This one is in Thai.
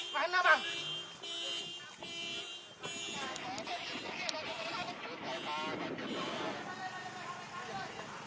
มันน่ะมั้ง